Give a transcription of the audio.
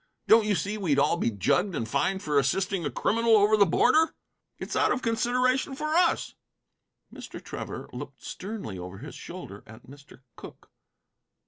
Don't you see we'd all be jugged and fined for assisting a criminal over the border? It's out of consideration for us." Mr. Trevor looked sternly over his shoulder at Mr. Cooke.